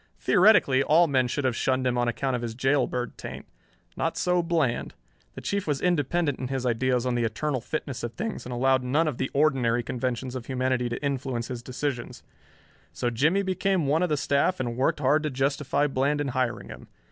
Theoretically all men should have shunned him on account of his jailbird taint. Not so Bland. The Chief was independent in his ideas on the eternal fitness of things and allowed none of the ordinary conventions of humanity to influence his decisions. So Jimmie became one of the staff and worked hard to justify Bland in hiring him.